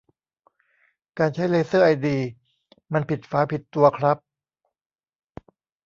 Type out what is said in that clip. การใช้เลเซอร์ไอดีมันผิดฝาผิดตัวครับ